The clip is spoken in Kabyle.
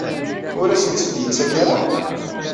Ur asent-tt-id-yettak ara?